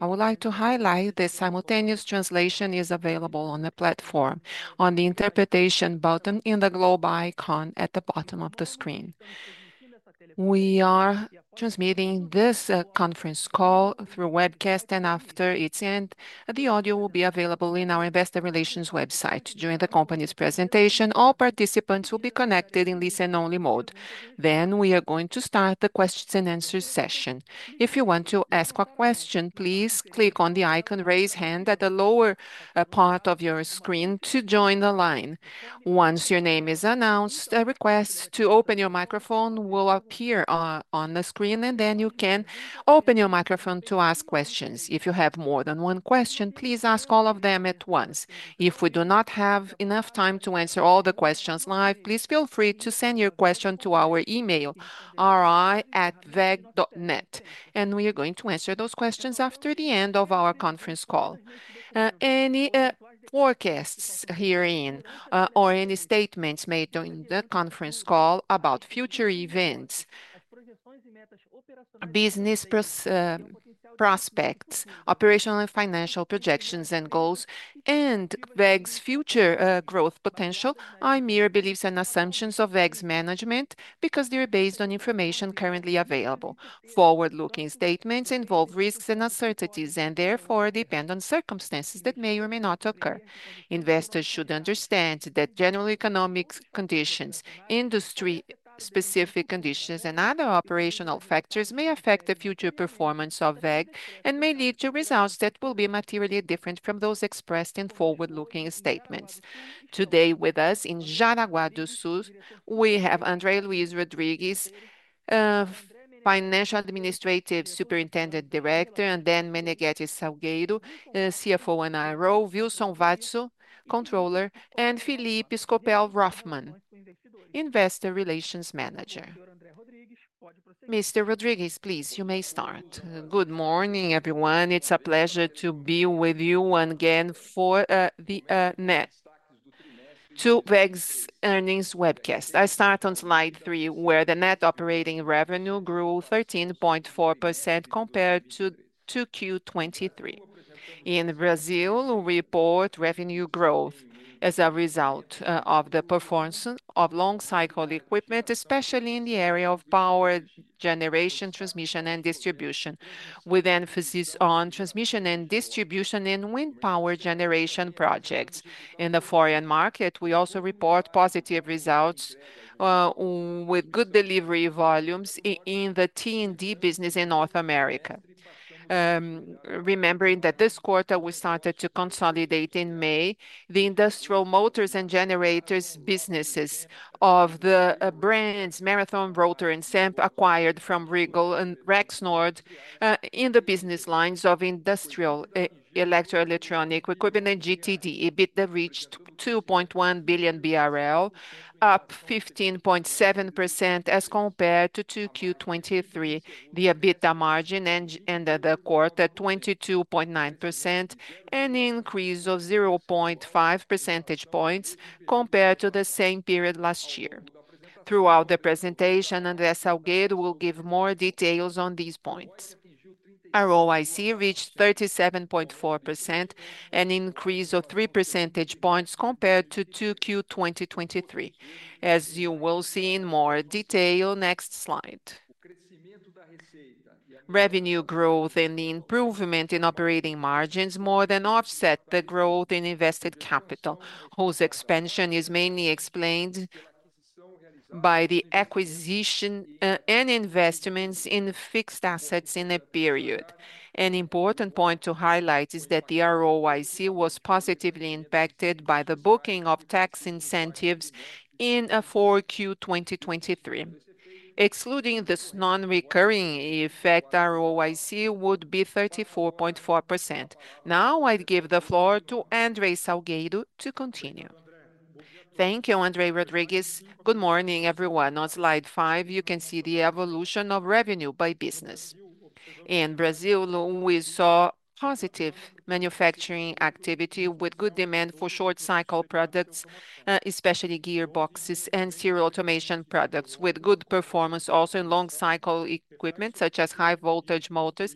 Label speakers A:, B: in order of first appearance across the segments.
A: I would like to highlight the simultaneous translation is available on the platform on the Interpretation button in the globe icon at the bottom of the screen. We are transmitting this conference call through webcast, and after its end, the audio will be available in our investor relations website. During the company's presentation, all participants will be connected in listen-only mode. Then we are going to start the questions and answers session. If you want to ask a question, please click on the icon Raise Hand at the lower part of your screen to join the line. Once your name is announced, a request to open your microphone will appear on the screen, and then you can open your microphone to ask questions. If you have more than one question, please ask all of them at once. If we do not have enough time to answer all the questions live, please feel free to send your question to our email, ri@weg.net, and we are going to answer those questions after the end of our conference call. Any forecasts herein or any statements made during the conference call about future events, business prospects, operational and financial projections and goals, and WEG's future growth potential are mere beliefs and assumptions of WEG's management because they are based on information currently available. Forward-looking statements involve risks and uncertainties and therefore depend on circumstances that may or may not occur. Investors should understand that general economic conditions, industry-specific conditions, and other operational factors may affect the future performance of WEG and may lead to results that will be materially different from those expressed in forward-looking statements. Today, with us in Jaraguá do Sul, we have André Luís Rodrigues, Financial Administrative Superintendent Director, and André Menegueti Salgueiro, CFO and IRO, Wilson Watzko, Controller, and Felipe Scopel Hoffmann, Investor Relations Manager. Mr. Rodrigues, please, you may start.
B: Good morning, everyone. It's a pleasure to be with you again for the 2Q WEG's earnings webcast. I start on slide three, where the net operating revenue grew 13.4% compared to 2Q 2023. In Brazil, we report revenue growth as a result of the performance of long cycle equipment, especially in the area of power generation, transmission, and distribution, with emphasis on transmission and distribution in wind power generation projects. In the foreign market, we also report positive results with good delivery volumes in the T&D business in North America. Remembering that this quarter we started to consolidate in May the industrial motors and generators businesses of the brands Marathon, Rotor, and Cemp, acquired from Regal Rexnord, in the business lines of industrial, electro-electronic equipment and GTD. EBITDA reached 2.1 billion BRL, up 15.7% as compared to 2Q 2023. The EBITDA margin ended the quarter at 22.9%, an increase of 0.5 percentage points compared to the same period last year. Throughout the presentation, André Salgueiro will give more details on these points. ROIC reached 37.4%, an increase of 3 percentage points compared to 2Q 2023, as you will see in more detail next slide. Revenue growth and the improvement in operating margins more than offset the growth in invested capital, whose expansion is mainly explained by the acquisition and investments in fixed assets in the period. An important point to highlight is that the ROIC was positively impacted by the booking of tax incentives in 4Q 2023. Excluding this non-recurring effect, ROIC would be 34.4%. Now, I'd give the floor to André Salgueiro to continue.
C: Thank you, André Rodrigues. Good morning, everyone. On slide five, you can see the evolution of revenue by business. In Brazil, we saw positive manufacturing activity with good demand for short-cycle products, especially gearboxes and serial automation products, with good performance also in long-cycle equipment, such as high-voltage motors,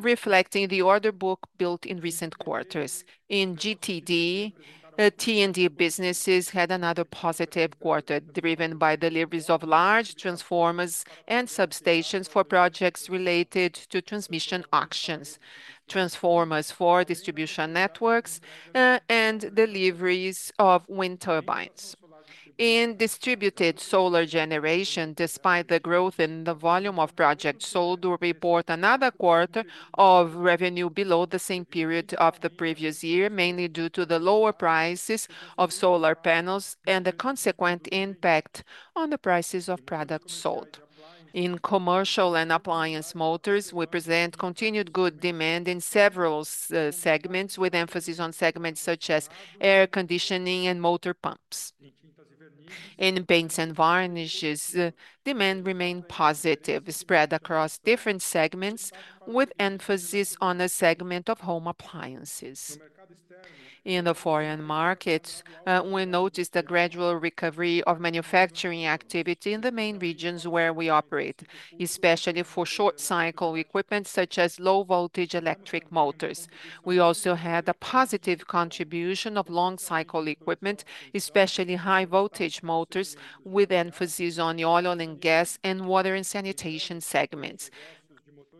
C: reflecting the order book built in recent quarters. In GTD, T&D businesses had another positive quarter, driven by deliveries of large transformers and substations for projects related to transmission auctions, transformers for distribution networks, and deliveries of wind turbines. In distributed solar generation, despite the growth in the volume of projects sold, we report another quarter of revenue below the same period of the previous year, mainly due to the lower prices of solar panels and the consequent impact on the prices of products sold. In commercial and appliance motors, we present continued good demand in several segments, with emphasis on segments such as air conditioning and motor pumps. In paints and varnishes, demand remained positive, spread across different segments, with emphasis on the segment of home appliances. In the foreign markets, we noticed a gradual recovery of manufacturing activity in the main regions where we operate, especially for short-cycle equipment, such as low-voltage electric motors. We also had a positive contribution of long-cycle equipment, especially high-voltage motors, with emphasis on the oil and gas, and water and sanitation segments.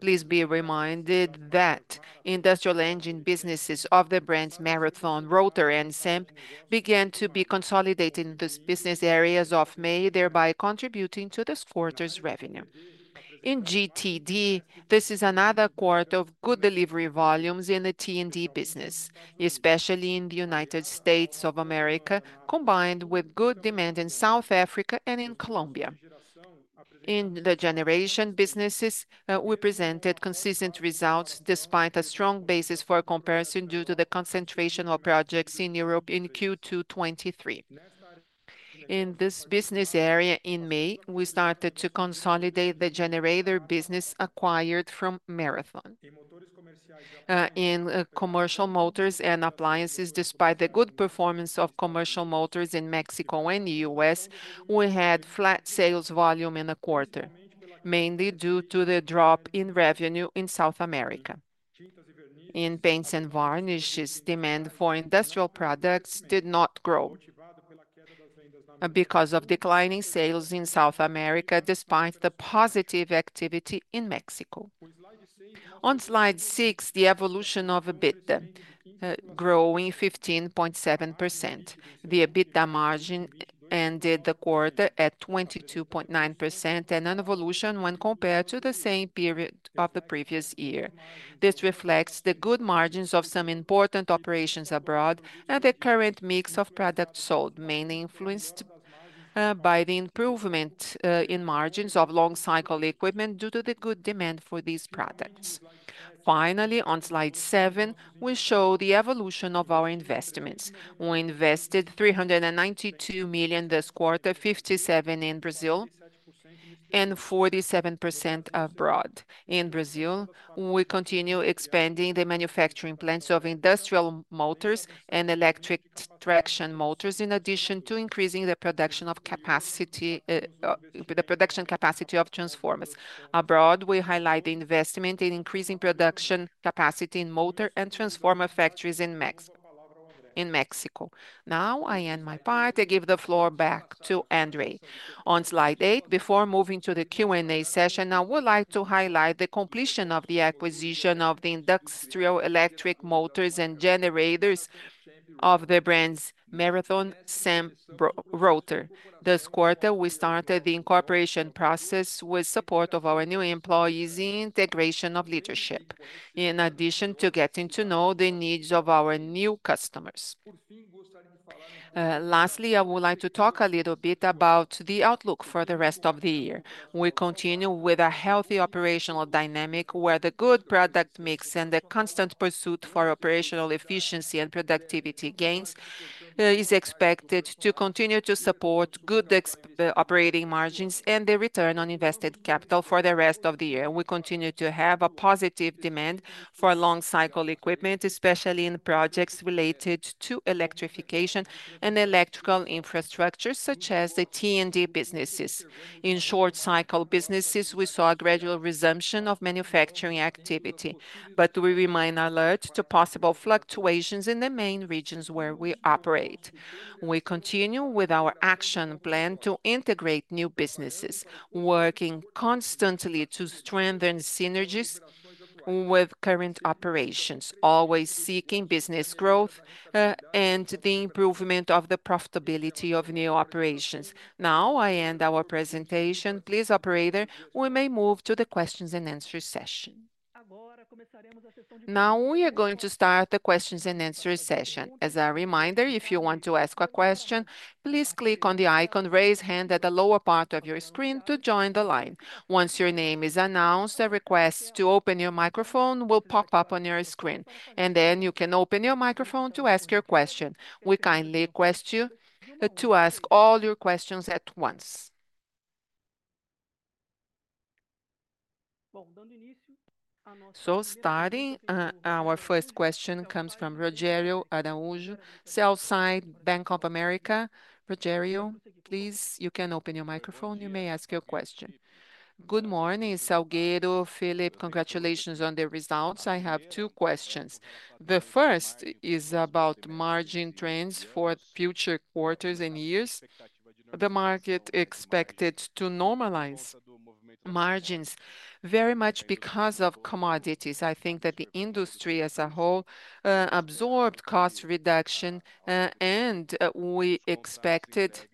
C: Please be reminded that industrial engine businesses of the brands Marathon, Rotor, and Cemp, began to be consolidated in those business areas as of May, thereby contributing to this quarter's revenue. In GTD, this is another quarter of good delivery volumes in the T&D business, especially in the United States of America, combined with good demand in South Africa and in Colombia. In the generation businesses, we presented consistent results despite a strong basis for comparison, due to the concentration of projects in Europe in Q2 2023. In this business area in May, we started to consolidate the generator business acquired from Marathon. In commercial motors and appliances, despite the good performance of commercial motors in Mexico and U.S., we had flat sales volume in the quarter, mainly due to the drop in revenue in South America. In paints and varnishes, demand for industrial products did not grow, because of declining sales in South America, despite the positive activity in Mexico. On slide six, the evolution of EBITDA, growing 15.7%. The EBITDA margin ended the quarter at 22.9%, and an evolution when compared to the same period of the previous year. This reflects the good margins of some important operations abroad, and the current mix of products sold, mainly influenced by the improvement in margins of long-cycle equipment due to the good demand for these products. Finally, on slide seven, we show the evolution of our investments. We invested 392 million this quarter, 57 million in Brazil, and 47% abroad. In Brazil, we continue expanding the manufacturing plants of industrial motors and electric traction motors, in addition to increasing the production capacity of transformers. Abroad, we highlight the investment in increasing production capacity in motor and transformer factories in Mexico. In Mexico. Now, I end my part. I give the floor back to André.
B: On slide eight, before moving to the Q&A session, I would like to highlight the completion of the acquisition of the industrial electric motors and generators of the brands Marathon, Cemp, Rotor. This quarter, we started the incorporation process with support of our new employees in integration of leadership, in addition to getting to know the needs of our new customers. Lastly, I would like to talk a little bit about the outlook for the rest of the year. We continue with a healthy operational dynamic, where the good product mix and the constant pursuit for operational efficiency and productivity gains is expected to continue to support good operating margins and the return on invested capital for the rest of the year. We continue to have a positive demand for long-cycle equipment, especially in projects related to electrification and electrical infrastructure, such as the T&D businesses. In short-cycle businesses, we saw a gradual resumption of manufacturing activity, but we remain alert to possible fluctuations in the main regions where we operate. We continue with our action plan to integrate new businesses, working constantly to strengthen synergies with current operations, always seeking business growth, and the improvement of the profitability of new operations. Now, I end our presentation. Please, operator, we may move to the questions and answer session.
A: Now, we are going to start the questions and answer session. As a reminder, if you want to ask a question, please click on the icon, Raise Hand, at the lower part of your screen to join the line. Once your name is announced, a request to open your microphone will pop up on your screen, and then you can open your microphone to ask your question. We kindly request you to ask all your questions at once. So starting, our first question comes from Rogério Araújo, sell-side, Bank of America. Rogério, please, you can open your microphone. You may ask your question.
D: Good morning, Salgueiro, Felipe. Congratulations on the results. I have two questions. The first is about margin trends for future quarters and years. The market expected to normalize margins, very much because of commodities. I think that the industry, as a whole, absorbed cost reduction, and we expected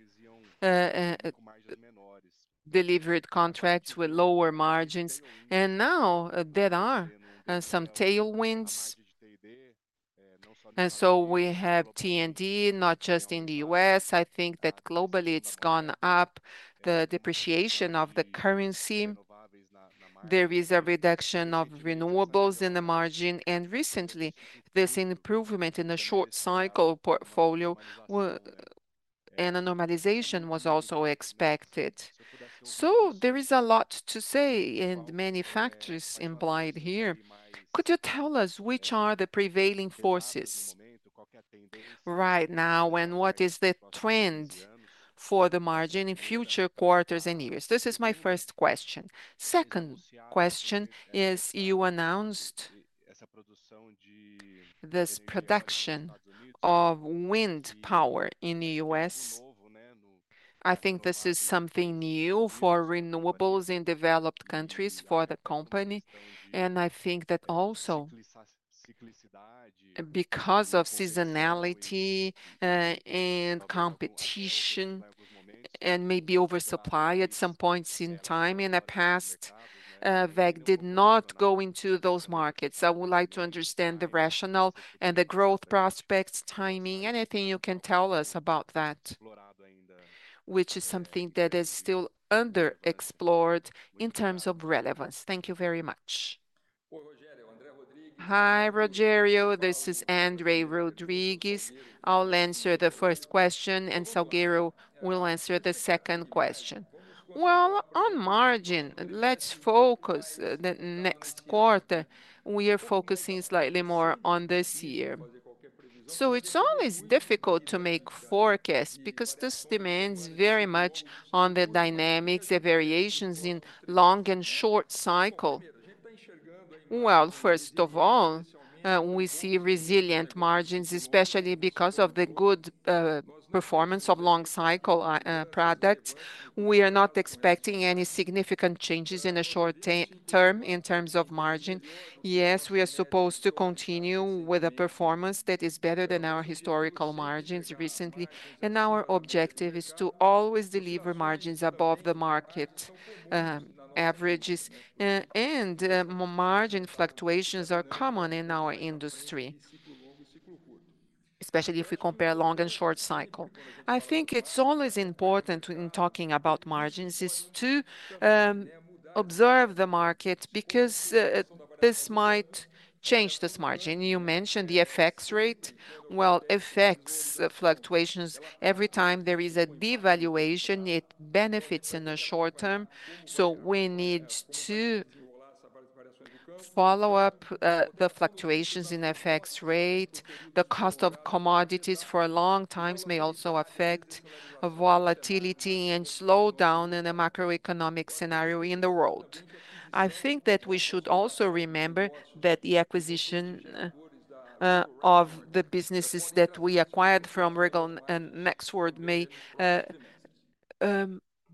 D: delivered contracts with lower margins, and now there are some tailwinds. And so we have T&D, not just in the U.S., I think that globally it's gone up. The depreciation of the currency, there is a reduction of renewables in the margin, and recently, this improvement in the short-cycle portfolio and a normalization was also expected. So there is a lot to say, and many factors implied here. Could you tell us which are the prevailing forces right now, and what is the trend for the margin in future quarters and years? This is my first question. Second question is, you announced this production of wind power in the U.S. I think this is something new for renewables in developed countries, for the company, and I think that also, because of seasonality, and competition, and maybe oversupply at some points in time in the past, WEG did not go into those markets. I would like to understand the rationale and the growth prospects, timing, anything you can tell us about that, which is something that is still underexplored in terms of relevance. Thank you very much.
B: Hi, Rogério. This is André Rodrigues. I'll answer the first question, and Salgueiro will answer the second question. Well, on margins, let's focus on the next quarter. We are focusing slightly more on this year. So it's always difficult to make forecasts because this depends very much on the dynamics, the variations in long- and short-cycle. Well, first of all, we see resilient margins, especially because of the good performance of long-cycle products. We are not expecting any significant changes in the short-term in terms of margin. Yes, we are supposed to continue with a performance that is better than our historical margins recently, and our objective is to always deliver margins above the market averages. And, margin fluctuations are common in our industry, especially if we compare long and short cycle. I think it's always important when talking about margins is to observe the market because this might change this margin. You mentioned the FX rate. Well, FX fluctuations, every time there is a devaluation, it benefits in the short term, so we need to follow up the fluctuations in FX rate. The cost of commodities for a long times may also affect a volatility and slowdown in the macroeconomic scenario in the world. I think that we should also remember that the acquisition of the businesses that we acquired from Regal Rexnord may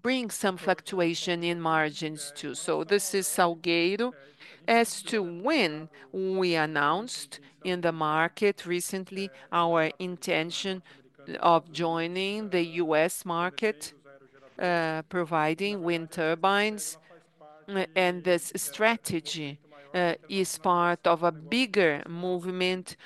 B: bring some fluctuation in margins, too.
C: So this is Salgueiro. As to when, we announced in the market recently our intention of joining the U.S. market, providing wind turbines, and this strategy is part of a bigger movement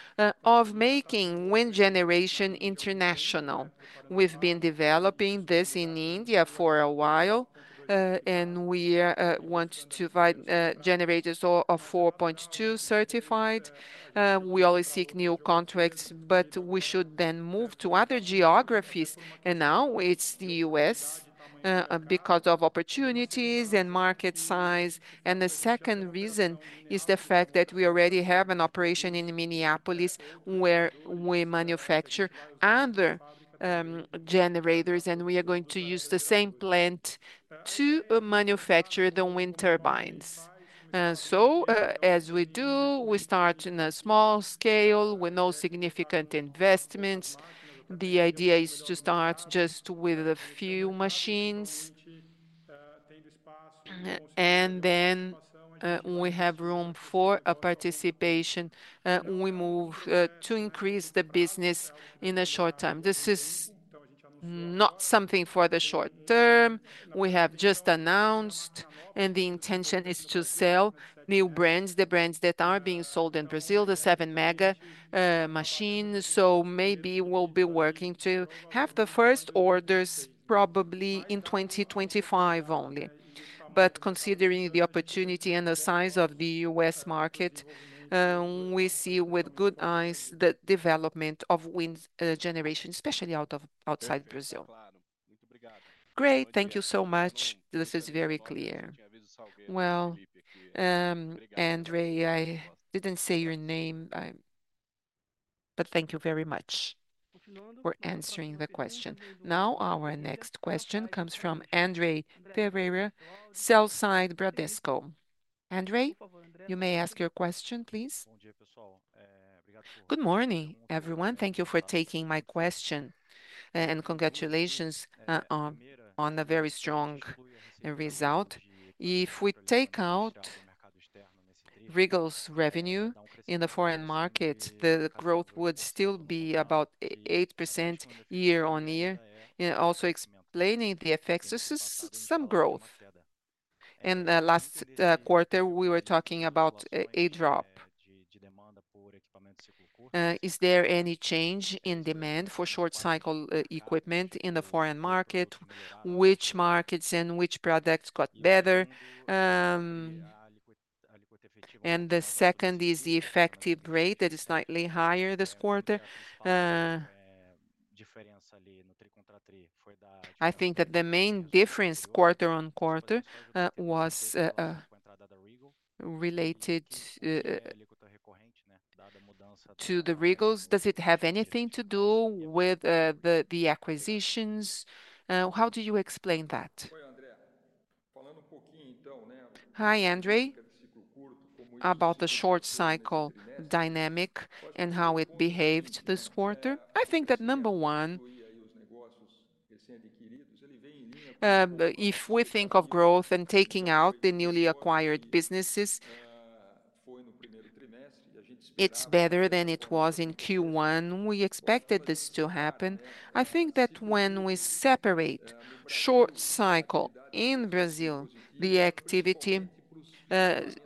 C: of making wind generation international. We've been developing this in India for a while, and we want to provide generators of 4.2 certified. We always seek new contracts, but we should then move to other geographies, and now it's the U.S., because of opportunities and market size. The second reason is the fact that we already have an operation in Minneapolis, where we manufacture other generators, and we are going to use the same plant to manufacture the wind turbines. So, as we do, we start in a small scale with no significant investments. The idea is to start just with a few machines, and then, when we have room for a participation, we move to increase the business in a short time. This is not something for the short term. We have just announced, and the intention is to sell new brands, the brands that are being sold in Brazil, the 7 MW machine, so maybe we'll be working to have the first orders probably in 2025 only. But considering the opportunity and the size of the U.S. market, we see with good eyes the development of wind generation, especially outside Brazil.
D: Great. Thank you so much. This is very clear. Well, André, I didn't say your name, I. But thank you very much for answering the question.
A: Now, our next question comes from Andre Ferreira, sell-side, Bradesco. Andre, you may ask your question, please.
E: Good morning, everyone. Thank you for taking my question, and congratulations on a very strong result. If we take out Regal's revenue in the foreign market, the growth would still be about 8% year-on-year, also explaining the effects. This is some growth. In the last quarter, we were talking about a drop. Is there any change in demand for short-cycle equipment in the foreign market? Which markets and which products got better? And the second is the effective rate that is slightly higher this quarter. I think that the main difference quarter-on-quarter was related to Regal. Does it have anything to do with the acquisitions? How do you explain that?
C: Hi, Andre. About the short-cycle dynamic and how it behaved this quarter. I think that number one, if we think of growth and taking out the newly acquired businesses, it's better than it was in Q1. We expected this to happen. I think that when we separate short-cycle in Brazil, the activity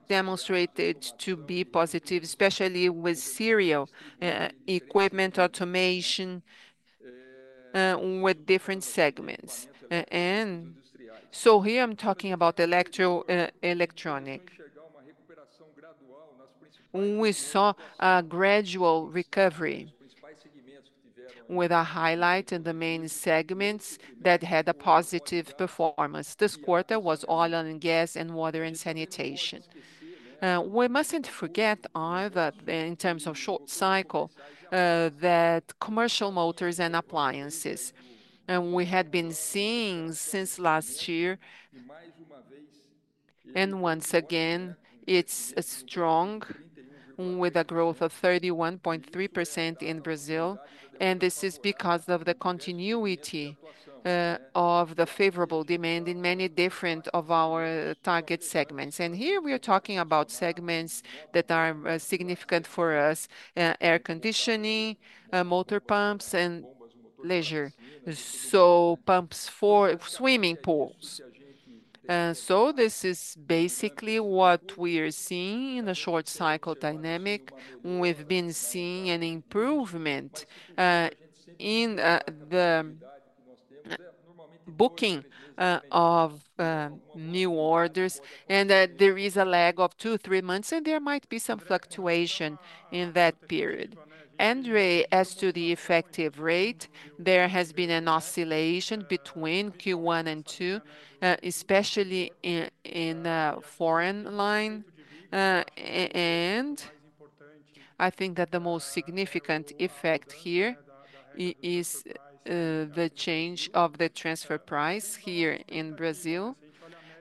C: demonstrated to be positive, especially with serial equipment automation with different segments. And so here I'm talking about electro-electronic. We saw a gradual recovery, with a highlight in the main segments that had a positive performance. This quarter was oil and gas, and water, and sanitation. We mustn't forget either, in terms of short cycle, that commercial motors and appliances, and we had been seeing since last year, and once again, it's strong, with a growth of 31.3% in Brazil, and this is because of the continuity, of the favorable demand in many different of our target segments. And here we are talking about segments that are, significant for us: air conditioning, motor pumps, and leisure, so pumps for swimming pools. So this is basically what we are seeing in the short cycle dynamic. We've been seeing an improvement in the booking of new orders, and there is a lag of 2-3 months, and there might be some fluctuation in that period. Andre, as to the effective rate, there has been an oscillation between Q1 and Q2, especially in foreign line. And I think that the most significant effect here is the change of the transfer price here in Brazil.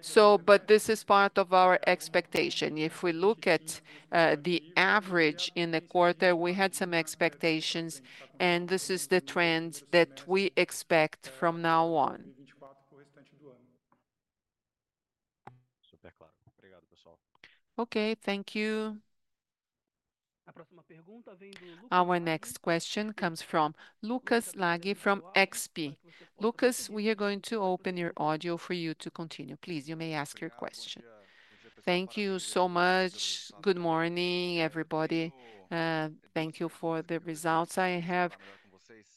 C: So but this is part of our expectation. If we look at the average in the quarter, we had some expectations, and this is the trend that we expect from now on.
E: Okay, thank you.
A: Our next question comes from Lucas Laghi, from XP. Lucas, we are going to open your audio for you to continue. Please, you may ask your question.
F: Thank you so much. Good morning, everybody, thank you for the results. I have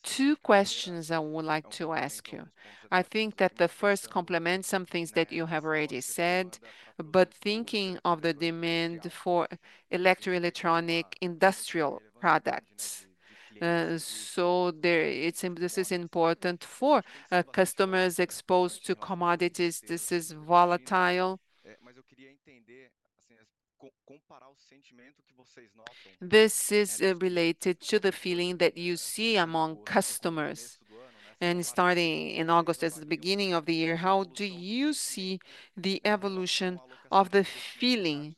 F: two questions I would like to ask you. I think that the first complements some things that you have already said, but thinking of the demand for electro electronic industrial products, this is important for customers exposed to commodities, this is volatile. This is related to the feeling that you see among customers, and starting in August, as the beginning of the year, how do you see the evolution of the feeling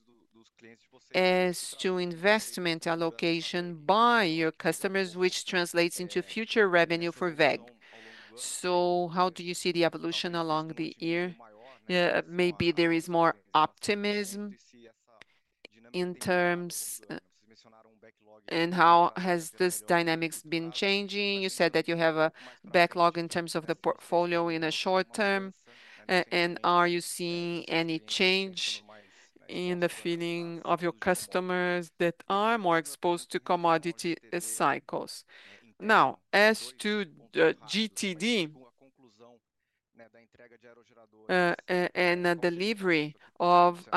F: as to investment allocation by your customers, which translates into future revenue for WEG? So how do you see the evolution along the year? Maybe there is more optimism in terms. And how has this dynamics been changing? You said that you have a backlog in terms of the portfolio in a short term, and are you seeing any change in the feeling of your customers that are more exposed to commodity cycles? Now, as to GTD, and the delivery of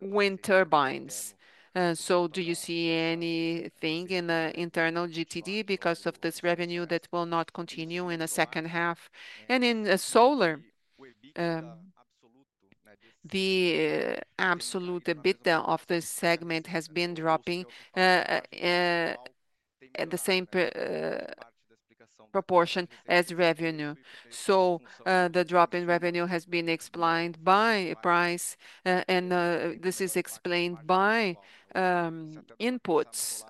F: wind turbines, so do you see anything in the internal GTD because of this revenue that will not continue in the second half? And in solar, the absolute EBITDA of this segment has been dropping at the same proportion as revenue. So, the drop in revenue has been explained by price, and this is explained by inputs,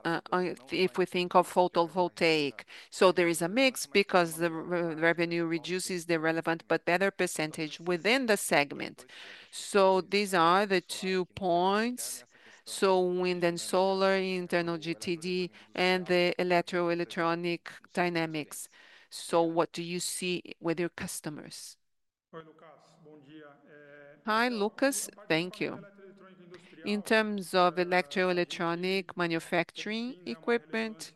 F: if we think of photovoltaic. So there is a mix because the revenue reduces the relevant but better percentage within the segment. So these are the two points, so wind and solar, internal GTD, and the electro electronic dynamics. So what do you see with your customers?
C: Hi, Lucas. Thank you. In terms of electro electronic manufacturing equipment,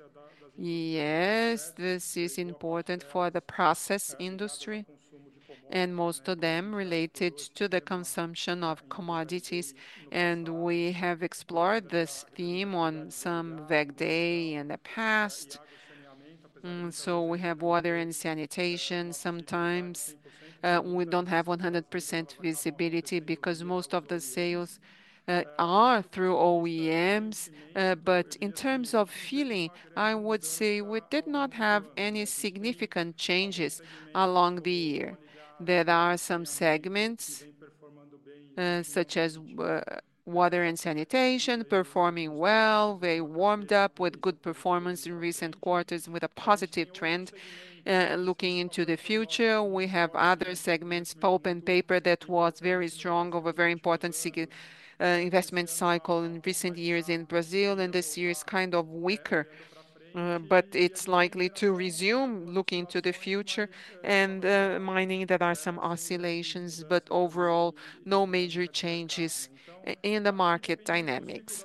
C: yes, this is important for the process industry, and most of them related to the consumption of commodities. And we have explored this theme on some WEG Day in the past. So we have water and sanitation sometimes. We don't have 100% visibility because most of the sales are through OEMs. But in terms of feeling, I would say we did not have any significant changes along the year. There are some segments such as water and sanitation performing well. They warmed up with good performance in recent quarters with a positive trend. Looking into the future, we have other segments, pulp and paper, that was very strong, of a very important investment cycle in recent years in Brazil, and this year is kind of weaker. But it's likely to resume looking to the future and, mining there are some oscillations, but overall, no major changes in the market dynamics.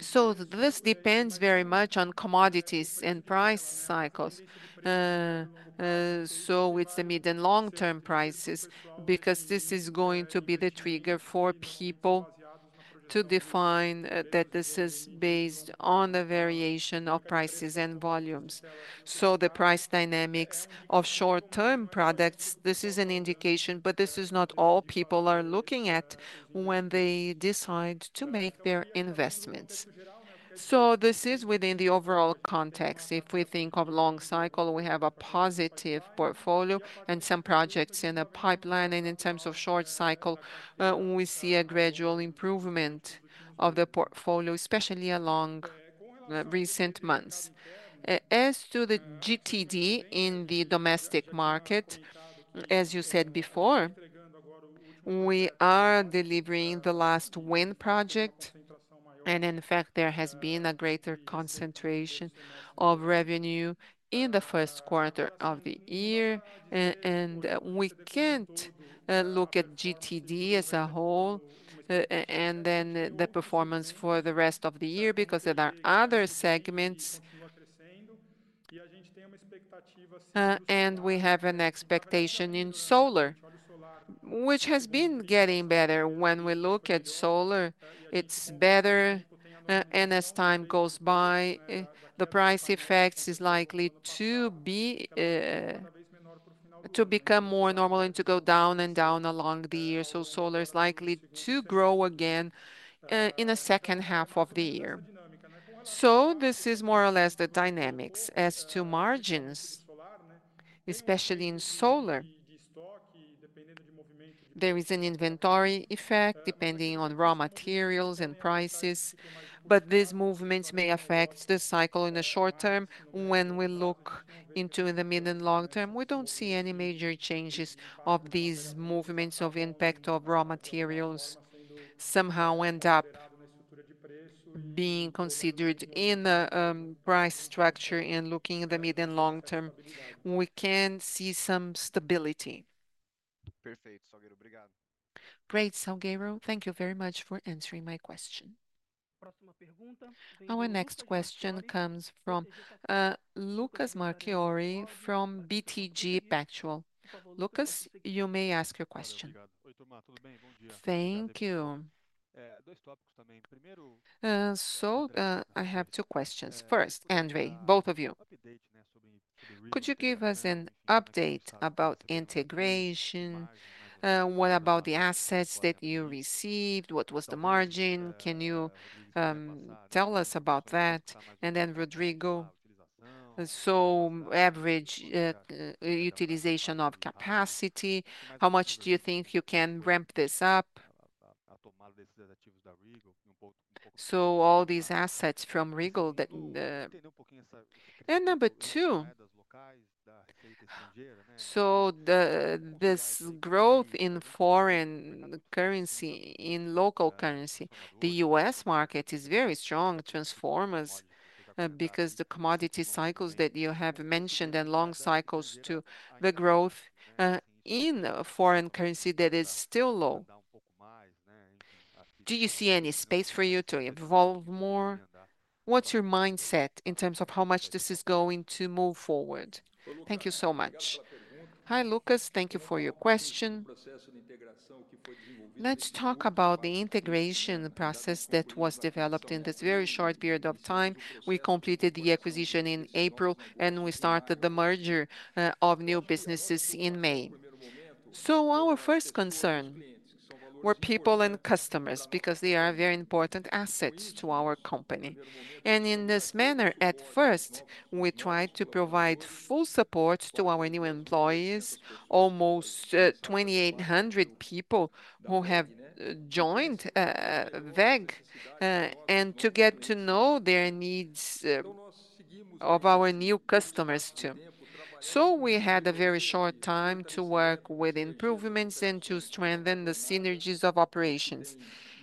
C: So this depends very much on commodities and price cycles. So it's the mid and long-term prices, because this is going to be the trigger for people to define, that this is based on the variation of prices and volumes. So the price dynamics of short-term products, this is an indication, but this is not all people are looking at when they decide to make their investments. So this is within the overall context. If we think of long cycle, we have a positive portfolio and some projects in the pipeline, and in terms of short cycle, we see a gradual improvement of the portfolio, especially along recent months. As to the GTD in the domestic market, as you said before, we are delivering the last wind project, and in fact, there has been a greater concentration of revenue in the first quarter of the year. And we can't look at GTD as a whole, and then the performance for the rest of the year, because there are other segments, and we have an expectation in solar, which has been getting better. When we look at solar, it's better, and as time goes by, the price effects is likely to be to become more normal and to go down and down along the year. Solar is likely to grow again in the second half of the year. So this is more or less the dynamics. As to margins, especially in solar, there is an inventory effect, depending on raw materials and prices, but these movements may affect the cycle in the short term. When we look into the mid and long term, we don't see any major changes of these movements of impact of raw materials somehow end up being considered in the price structure and looking in the mid and long term, we can see some stability.
F: Great, Salgueiro. Thank you very much for answering my question.
A: Our next question comes from Lucas Marquiori from BTG Pactual. Lucas, you may ask your question.
G: Thank you. So, I have two questions. First, André, both of you, could you give us an update about integration? What about the assets that you received? What was the margin? Can you tell us about that? And then, Rodrigo, so average utilization of capacity, how much do you think you can ramp this up? So all these assets from Regal. And number two, so the this growth in foreign currency, in local currency, the U.S. market is very strong transformers because the commodity cycles that you have mentioned and long cycles to the growth in foreign currency that is still low. Do you see any space for you to evolve more? What's your mindset in terms of how much this is going to move forward? Thank you so much.
B: Hi, Lucas. Thank you for your question. Let's talk about the integration process that was developed in this very short period of time. We completed the acquisition in April, and we started the merger of new businesses in May. So our first concern were people and customers, because they are very important assets to our company. And in this manner, at first, we tried to provide full support to our new employees, almost 2,800 people who have joined WEG, and to get to know their needs of our new customers, too. So we had a very short time to work with improvements and to strengthen the synergies of operations.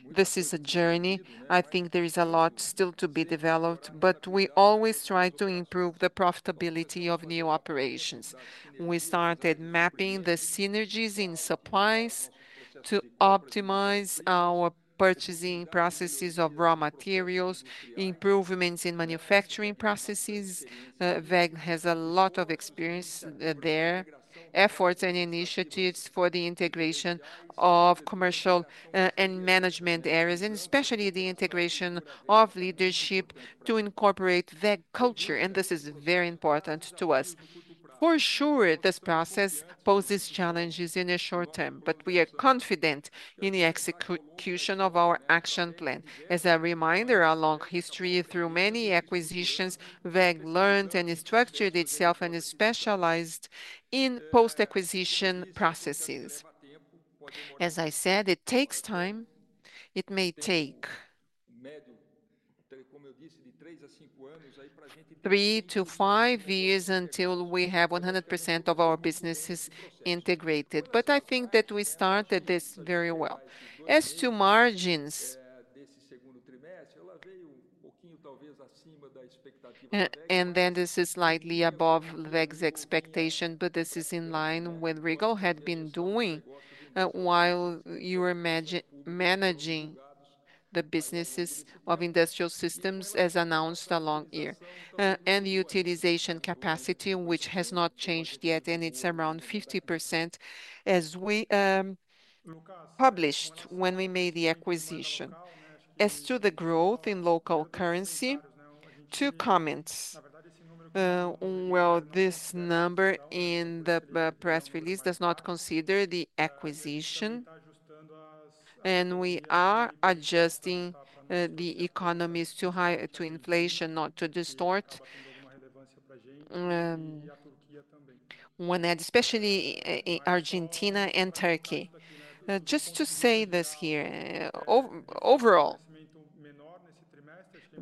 B: This is a journey. I think there is a lot still to be developed, but we always try to improve the profitability of new operations. We started mapping the synergies in supplies to optimize our purchasing processes of raw materials, improvements in manufacturing processes, WEG has a lot of experience there. Efforts and initiatives for the integration of commercial and management areas, and especially the integration of leadership to incorporate WEG culture, and this is very important to us. For sure, this process poses challenges in a short term, but we are confident in the execution of our action plan. As a reminder, a long history through many acquisitions, WEG learned and structured itself and is specialized in post-acquisition processes. As I said, it takes time. It may take 3-5 years until we have 100% of our businesses integrated, but I think that we started this very well. As to margins, and then this is slightly above WEG's expectation, but this is in line with Regal had been doing, while you're managing the businesses of industrial systems, as announced along here. And the utilization capacity, which has not changed yet, and it's around 50%, as we published when we made the acquisition. As to the growth in local currency, two comments. Well, this number in the press release does not consider the acquisition, and we are adjusting the economies to inflation, not to distort when especially in Argentina and Turkey. Just to say this here, overall,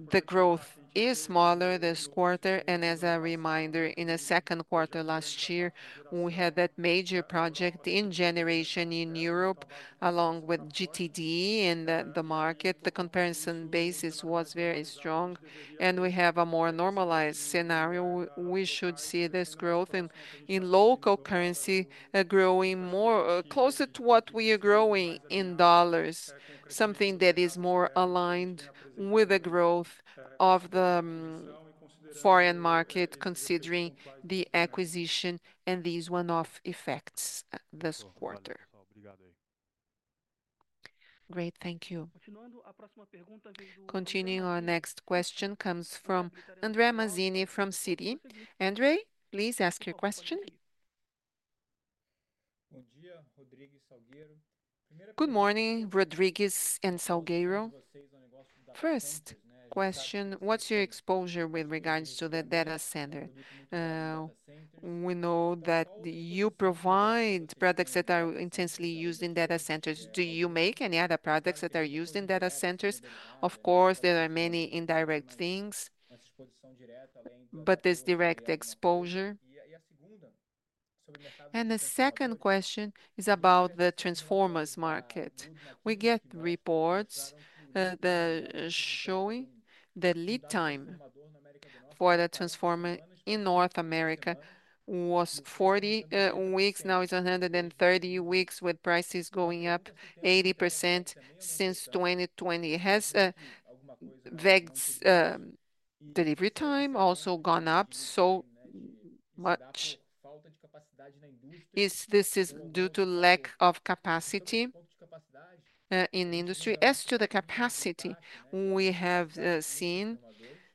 B: the growth is smaller this quarter, and as a reminder, in the second quarter last year, we had that major project in generation in Europe, along with GTD and the market. The comparison basis was very strong, and we have a more normalized scenario. We should see this growth in local currency, growing more, closer to what we are growing in dollars, something that is more aligned with the growth of the foreign market, considering the acquisition and these one-off effects this quarter.
G: Great, thank you.
A: Continuing, our next question comes from André Mazini from Citi. André, please ask your question.
H: Good morning, Rodrigues and Salgueiro. First question: What's your exposure with regards to the data center? We know that you provide products that are intensely used in data centers. Do you make any other products that are used in data centers? Of course, there are many indirect things, but there's direct exposure. And the second question is about the transformers market. We get reports showing the lead time for the transformer in North America was 40 weeks, now it's 130 weeks, with prices going up 80% since 2020. Has WEG's delivery time also gone up so much? Is this due to lack of capacity in the industry? As to the capacity, we have seen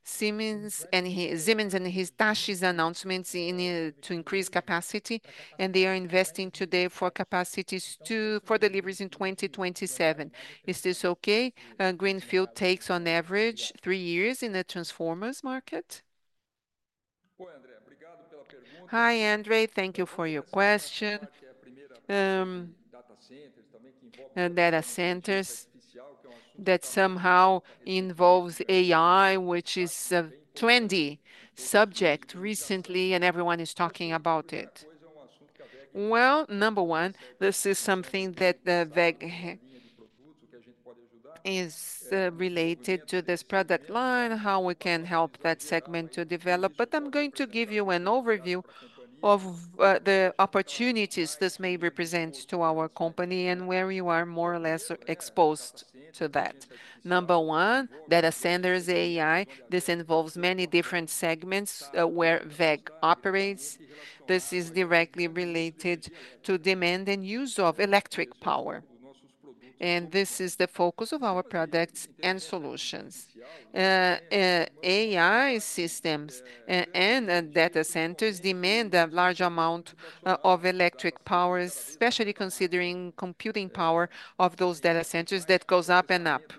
H: Siemens and Hitachi's announcements to increase capacity, and they are investing today for capacities for deliveries in 2027. Is this okay? Greenfield takes, on average, 3 years in the transformers market.
B: Hi, André. Thank you for your question. Data centers that somehow involves AI, which is a trendy subject recently, and everyone is talking about it. Well, number one, this is something that, WEG is related to this product line, how we can help that segment to develop. But I'm going to give you an overview of, the opportunities this may represent to our company and where we are more or less exposed to that. Number one, data centers, AI, this involves many different segments, where WEG operates. This is directly related to demand and use of electric power, and this is the focus of our products and solutions. AI systems, and, data centers demand a large amount, of electric power, especially considering computing power of those data centers that goes up and up,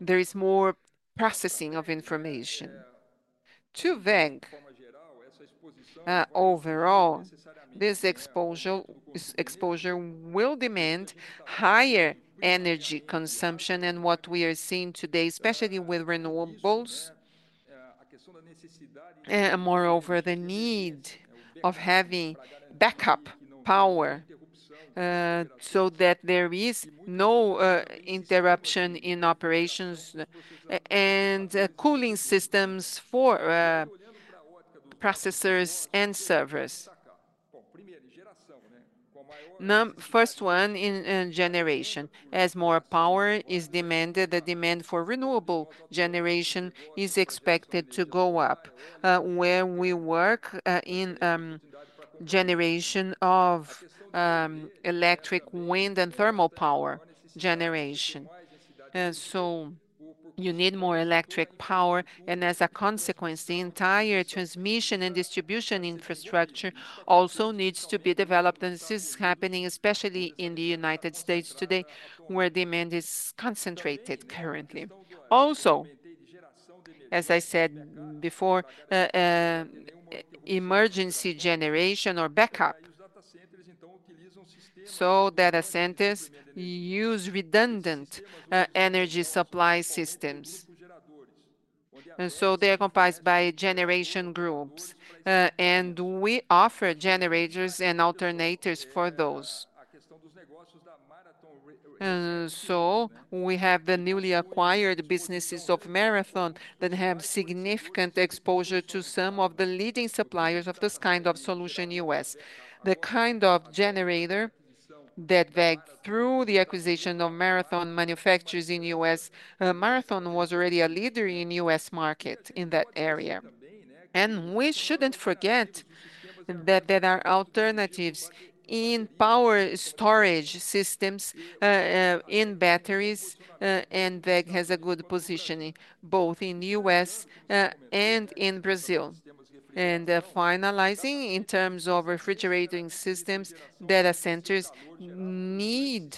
B: there is more processing of information. To WEG, overall, this exposure, this exposure will demand higher energy consumption than what we are seeing today, especially with renewables. Moreover, the need of having backup power, so that there is no interruption in operations, and cooling systems for processors and servers. Number one in generation. As more power is demanded, the demand for renewable generation is expected to go up, where we work in generation of electric, wind, and thermal power generation. So you need more electric power, and as a consequence, the entire transmission and distribution infrastructure also needs to be developed. This is happening, especially in the United States today, where demand is concentrated currently. Also, as I said before, emergency generation or backup. So data centers use redundant energy supply systems, and so they're accompanied by generation groups, and we offer generators and alternators for those. So we have the newly acquired businesses of Marathon that have significant exposure to some of the leading suppliers of this kind of solution in U.S. The kind of generator that WEG, through the acquisition of Marathon manufactures in U.S., Marathon was already a leader in U.S. market in that area. And we shouldn't forget that there are alternatives in power storage systems in batteries, and WEG has a good positioning, both in the U.S. and in Brazil. And finalizing, in terms of refrigerating systems, data centers need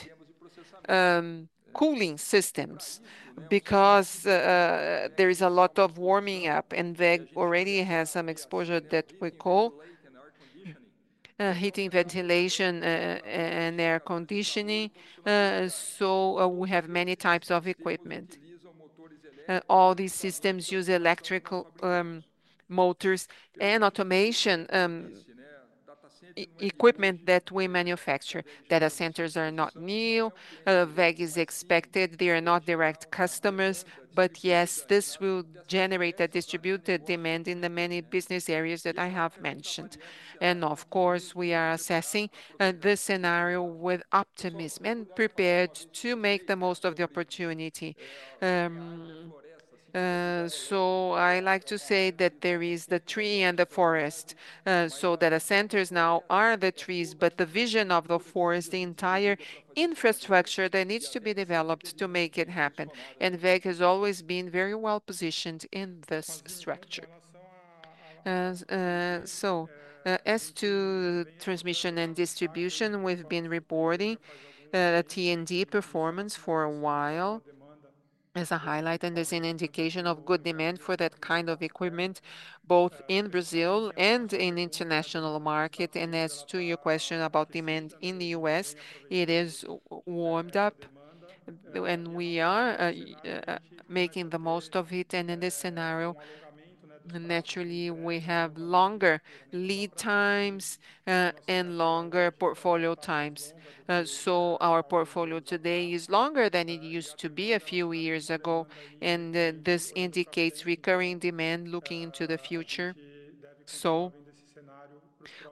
B: cooling systems because there is a lot of warming up, and WEG already has some exposure that we call heating, ventilation, and air conditioning. So we have many types of equipment. All these systems use electrical motors and automation equipment that we manufacture. Data centers are not new. WEG is expected. They are not direct customers, but yes, this will generate a distributed demand in the many business areas that I have mentioned. And of course, we are assessing this scenario with optimism and prepared to make the most of the opportunity. So I like to say that there is the tree and the forest, so data centers now are the trees, but the vision of the forest, the entire infrastructure that needs to be developed to make it happen, and WEG has always been very well positioned in this structure.
C: So, as to transmission and distribution, we've been reporting T&D performance for a while as a highlight and as an indication of good demand for that kind of equipment, both in Brazil and in international market. As to your question about demand in the U.S., it is warmed up, and we are making the most of it. In this scenario, naturally, we have longer lead times and longer portfolio times. So our portfolio today is longer than it used to be a few years ago, and this indicates recurring demand looking into the future. So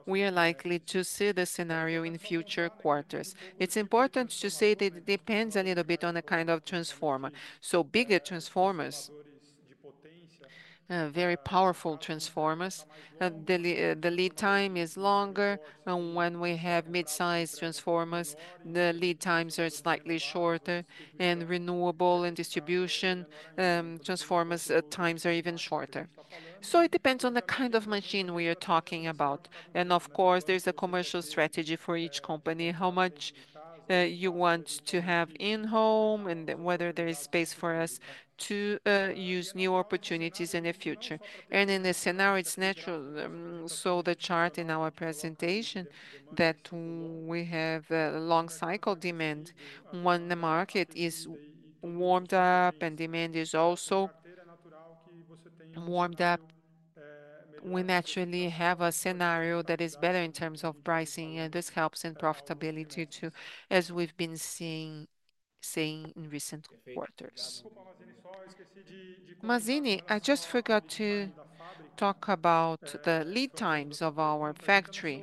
C: we are likely to see the scenario in future quarters. It's important to say that it depends a little bit on the kind of transformer. So bigger transformers, very powerful transformers, the lead time is longer, and when we have mid-sized transformers, the lead times are slightly shorter, and renewable and distribution transformers, times are even shorter. So it depends on the kind of machine we are talking about. Of course, there's a commercial strategy for each company, how much you want to have in-house, and whether there is space for us to use new opportunities in the future. In this scenario, it's natural, so the chart in our presentation, that we have a long cycle demand. When the market is warmed up and demand is also warmed up, we naturally have a scenario that is better in terms of pricing, and this helps in profitability, too, as we've been seeing in recent quarters. Mazini, I just forgot to talk about the lead times of our factory.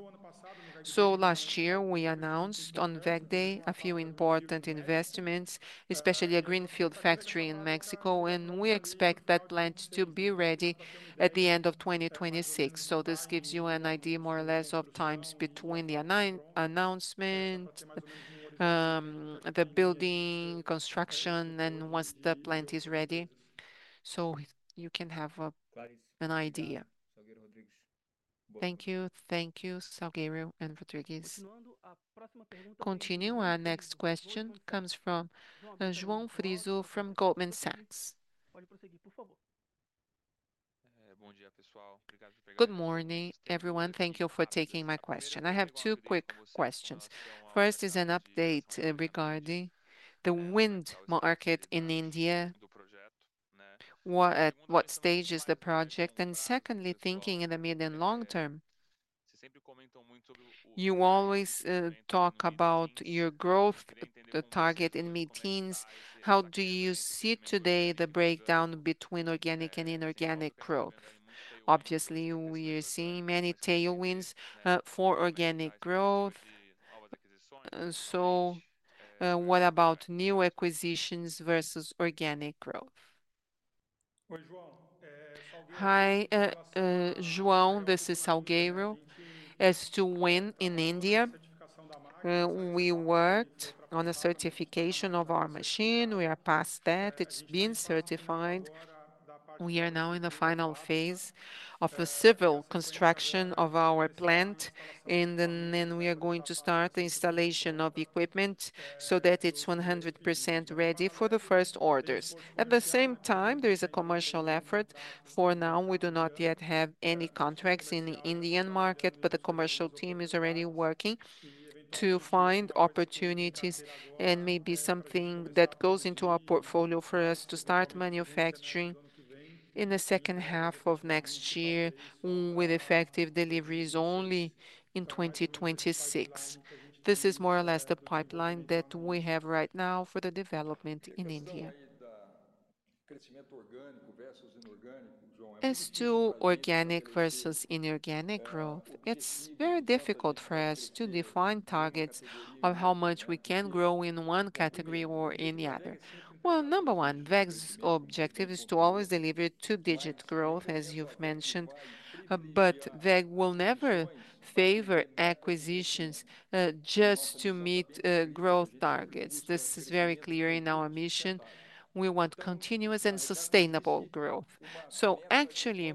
C: Last year, we announced on WEG Day, a few important investments, especially a greenfield factory in Mexico, and we expect that plant to be ready at the end of 2026. So this gives you an idea, more or less, of times between the announcement, the building, construction, and once the plant is ready, so you can have an idea.
H: Thank you. Thank you, Salgueiro and Rodrigues.
A: Continuing, our next question comes from João Frizzo from Goldman Sachs.
I: Good morning, everyone. Thank you for taking my question. I have two quick questions. First is an update regarding the wind market in India. What stage is the project? And secondly, thinking in the mid and long term, you always talk about your growth, the target in mid-teens. How do you see today the breakdown between organic and inorganic growth? Obviously, we are seeing many tailwinds for organic growth. So, what about new acquisitions versus organic growth?
C: Hi, João, this is Salgueiro. As to wind in India, we worked on a certification of our machine. We are past that. It's been certified. We are now in the final phase of the civil construction of our plant, and then we are going to start the installation of equipment so that it's 100% ready for the first orders. At the same time, there is a commercial effort. For now, we do not yet have any contracts in the Indian market, but the commercial team is already working to find opportunities and maybe something that goes into our portfolio for us to start manufacturing in the second half of next year, with effective deliveries only in 2026. This is more or less the pipeline that we have right now for the development in India. As to organic versus inorganic growth, it's very difficult for us to define targets of how much we can grow in one category or in the other. Well, number one, WEG's objective is to always deliver two-digit growth, as you've mentioned, but WEG will never favor acquisitions just to meet growth targets. This is very clear in our mission. We want continuous and sustainable growth. So actually,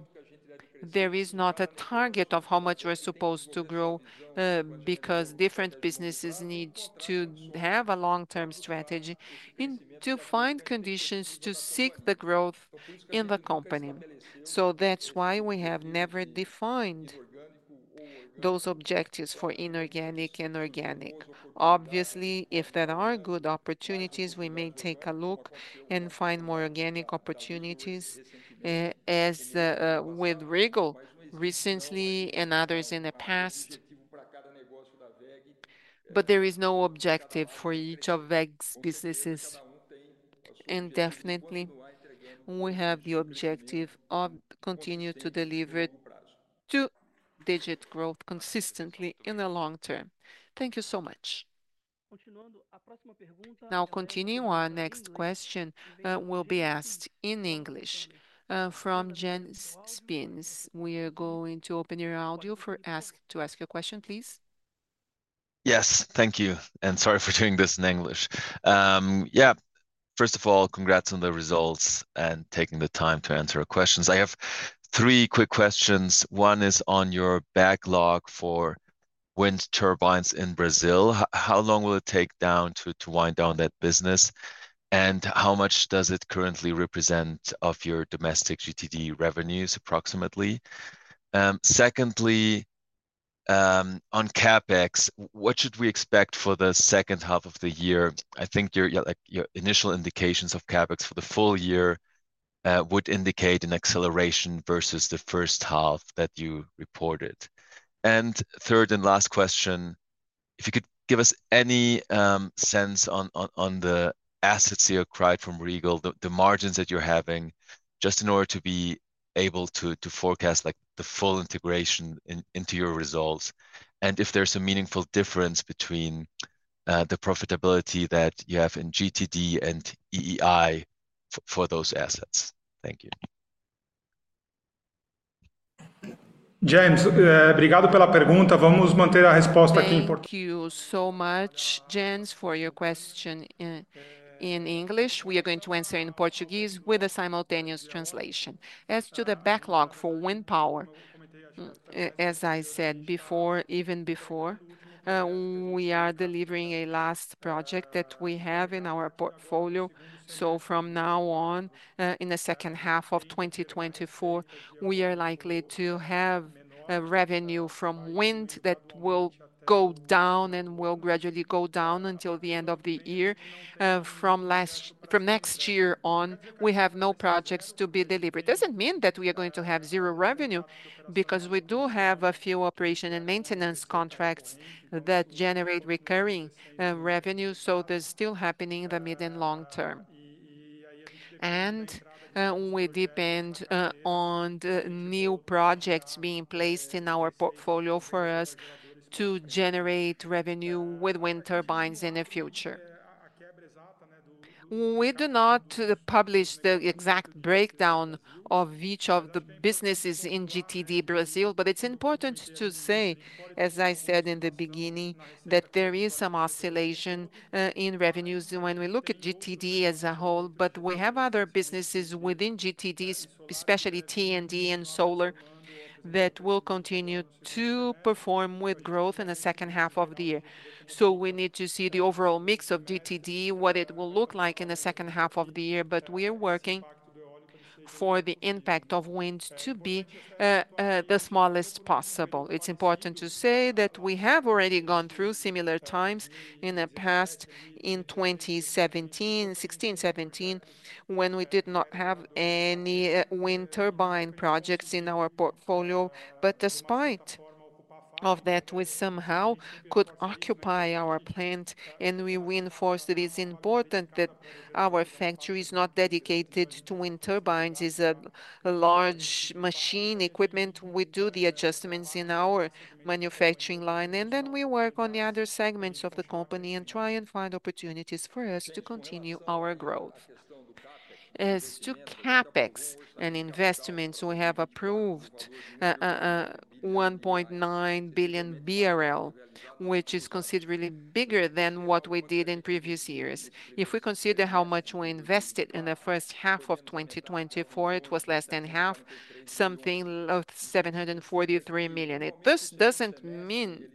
C: there is not a target of how much we're supposed to grow because different businesses need to have a long-term strategy and to find conditions to seek the growth in the company. So that's why we have never defined those objectives for inorganic and organic. Obviously, if there are good opportunities, we may take a look and find more organic opportunities as with Regal recently and others in the past. There is no objective for each of WEG's businesses, and definitely, we have the objective of continuing to deliver two-digit growth consistently in the long term.
I: Thank you so much.
A: Now continuing, our next question will be asked in English from Jens Spiess. We are going to open your audio to ask your question, please.
J: Yes, thank you, and sorry for doing this in English. Yeah, first of all, congrats on the results and taking the time to answer our questions. I have three quick questions. One is on your backlog for wind turbines in Brazil. How long will it take down to wind down that business, and how much does it currently represent of your domestic GTD revenues, approximately? Secondly, on CapEx, what should we expect for the second half of the year? I think your, like, your initial indications of CapEx for the full year would indicate an acceleration versus the first half that you reported. Third and last question, if you could give us any sense on the assets you acquired from Regal, the margins that you're having, just in order to be able to forecast, like, the full integration into your results, and if there's a meaningful difference between the profitability that you have in GTD and EI for those assets. Thank you.
C: Jens, thank you so much, Jens, for your question in English. We are going to answer in Portuguese with a simultaneous translation. As to the backlog for wind power, as I said before, even before, we are delivering a last project that we have in our portfolio. So from now on, in the second half of 2024, we are likely to have a revenue from wind that will go down and will gradually go down until the end of the year. From next year on, we have no projects to be delivered. It doesn't mean that we are going to have zero revenue, because we do have a few operation and maintenance contracts that generate recurring revenue, so that's still happening in the mid and long term. We depend on the new projects being placed in our portfolio for us to generate revenue with wind turbines in the future. We do not publish the exact breakdown of each of the businesses in GTD Brazil, but it's important to say, as I said in the beginning, that there is some oscillation in revenues when we look at GTD as a whole, but we have other businesses within GTD, especially T&D and solar, that will continue to perform with growth in the second half of the year. So we need to see the overall mix of GTD, what it will look like in the second half of the year, but we are working for the impact of wind to be the smallest possible. It's important to say that we have already gone through similar times in the past, in 2017, 2016, 2017, when we did not have any wind turbine projects in our portfolio. But despite of that, we somehow could occupy our plant, and we reinforce that it's important that our factory is not dedicated to wind turbines. It's a large machine equipment. We do the adjustments in our manufacturing line, and then we work on the other segments of the company and try and find opportunities for us to continue our growth.
B: As to CapEx and investments, we have approved 1.9 billion BRL, which is considerably bigger than what we did in previous years. If we consider how much we invested in the first half of 2024, it was less than half, something of 743 million. This doesn't mean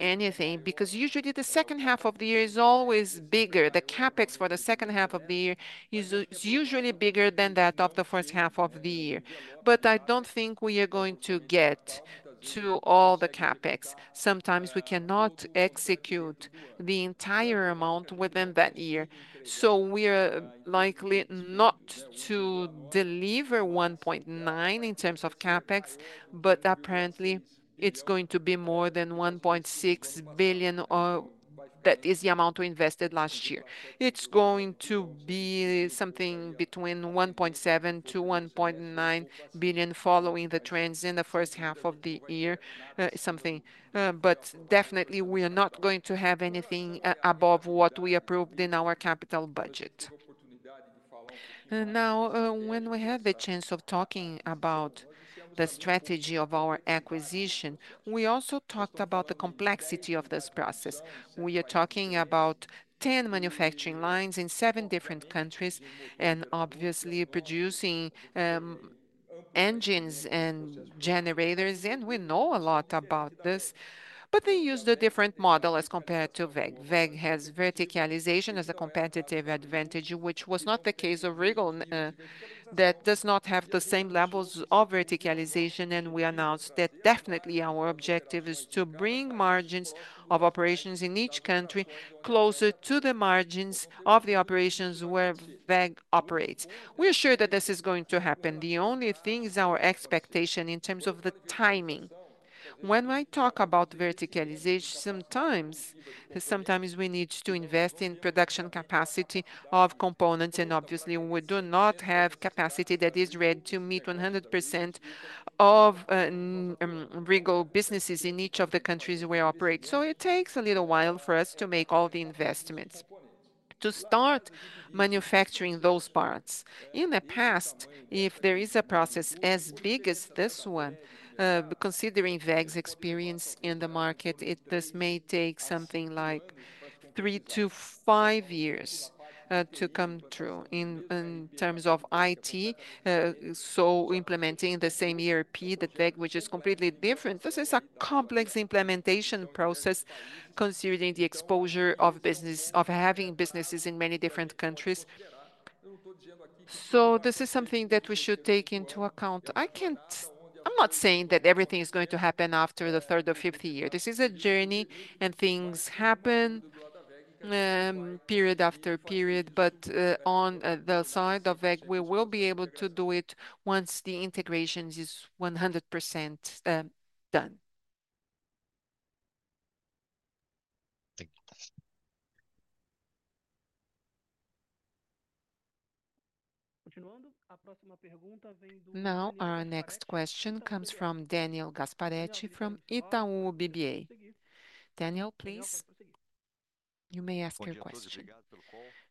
B: anything, because usually the second half of the year is always bigger. The CapEx for the second half of the year is usually bigger than that of the first half of the year. But I don't think we are going to get to all the CapEx. Sometimes we cannot execute the entire amount within that year, so we are likely not to deliver 1.9 billion in terms of CapEx, but apparently it's going to be more than 1.6 billion, that is the amount we invested last year. It's going to be something between 1.7 billion-1.9 billion, following the trends in the first half of the year, something. But definitely, we are not going to have anything above what we approved in our capital budget. Now, when we have the chance of talking about the strategy of our acquisition, we also talked about the complexity of this process. We are talking about 10 manufacturing lines in 7 different countries, and obviously producing, engines and generators, and we know a lot about this. But they use the different model as compared to WEG. WEG has verticalization as a competitive advantage, which was not the case of Regal, that does not have the same levels of verticalization. And we announced that definitely our objective is to bring margins of operations in each country closer to the margins of the operations where WEG operates. We are sure that this is going to happen. The only thing is our expectation in terms of the timing. When I talk about verticalization, sometimes we need to invest in production capacity of components, and obviously, we do not have capacity that is ready to meet 100% of Regal businesses in each of the countries we operate. So it takes a little while for us to make all the investments to start manufacturing those parts. In the past, if there is a process as big as this one, considering WEG's experience in the market, this may take something like 3-5 years to come through. In terms of IT, so implementing the same ERP, the tech, which is completely different, this is a complex implementation process considering the exposure of business, of having businesses in many different countries. So this is something that we should take into account. I can't. I'm not saying that everything is going to happen after the third or fifth year. This is a journey, and things happen, period after period, but on the side of WEG, we will be able to do it once the integration is 100%, done.
J: Thank you.
A: Now, our next question comes from Daniel Gasparete, from Itaú BBA. Daniel, please, you may ask your question.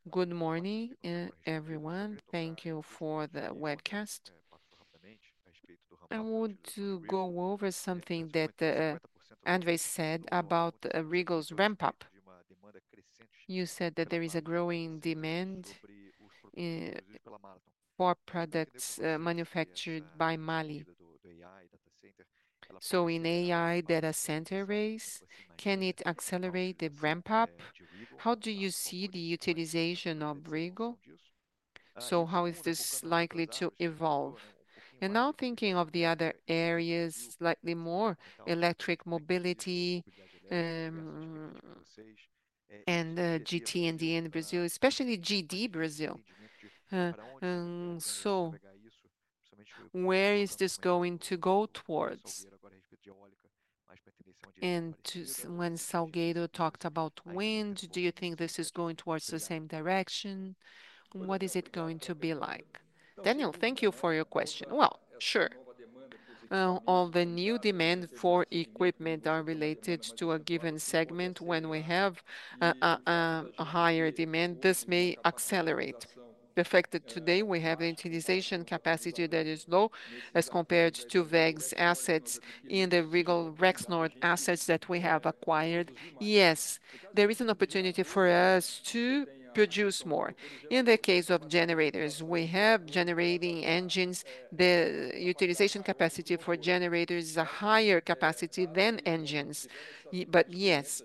K: Good morning, everyone. Thank you for the webcast. I want to go over something that André said about Regal's ramp-up. You said that there is a growing demand for products manufactured by Marathon. So in AI data center race, can it accelerate the ramp-up? How do you see the utilization of Regal? So how is this likely to evolve? And now, thinking of the other areas, slightly more electric mobility, and GTD in Brazil, especially GTD Brazil, so where is this going to go towards? When Salgueiro talked about wind, do you think this is going towards the same direction? What is it going to be like?
B: Daniel, thank you for your question. Well, sure, all the new demand for equipment are related to a given segment. When we have a higher demand, this may accelerate. The fact that today we have utilization capacity that is low as compared to WEG's assets in the Regal Rexnord assets that we have acquired, yes, there is an opportunity for us to produce more. In the case of generators, we have generating engines. The utilization capacity for generators is a higher capacity than engines. But yes,